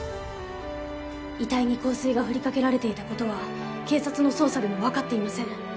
遺体に香水が振りかけられていたことは警察の捜査でも分かっていません。